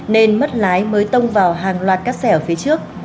nên mất lái mới tông vào hàng loạt các xe ở phía trước